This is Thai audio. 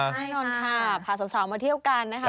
ใช่ค่ะพาสาวมาเที่ยวกันนะครับ